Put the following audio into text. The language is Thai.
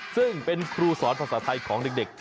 ซึ่งเป็นครูสอนภาษาไทยของเด็ก